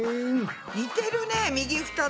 似てるね右２つ。